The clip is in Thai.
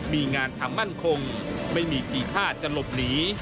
มีงานทำมั่นคงไม่มีทีท่าจะหลบหนี